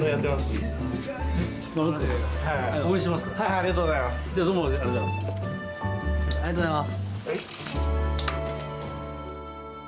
ありがとうございます。